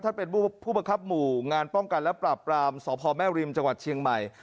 ท่านเป็นผู้บังคับหมู่งานป้องกันและปราบปรามสพแม่ริมจังหวัดเชียงใหม่